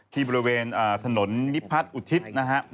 ที่บริเวณถนนนิพัฒน์อุทิศนะครับ